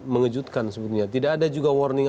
mengejutkan sebenarnya tidak ada juga warning